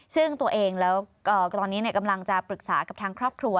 ซึ่งตัวเองแล้วก็ตอนนี้กำลังจะปรึกษากับทางครอบครัว